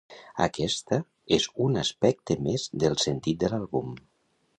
Aquesta és un aspecte més del sentit de l'àlbum.